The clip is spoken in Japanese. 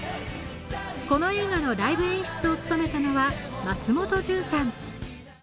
この映画のライブ演出を務めたのは松本潤さん。